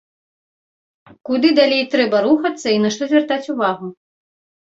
Куды далей трэба рухацца і на што звяртаць увагу?